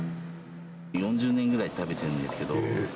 ４０年ぐらい食べてるんですええー。